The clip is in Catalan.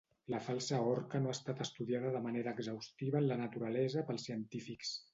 La falsa orca no ha estat estudiada de manera exhaustiva en la naturalesa pels científics.